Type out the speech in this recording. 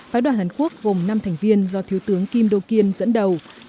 phái đoàn hàn quốc gồm năm thành viên do thiếu tướng kim đô kiên dẫn đầu